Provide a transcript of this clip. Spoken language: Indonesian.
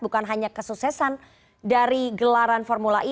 bukan hanya kesuksesan dari gelaran formula e